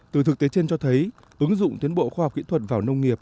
từ thực tế trên cho thấy ứng dụng tiến bộ khoa học kỹ thuật vào nông nghiệp